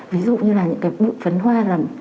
ví dụ như là những cái bụi phấn hoa